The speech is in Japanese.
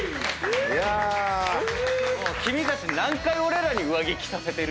君たち何回俺らに上着着させてる？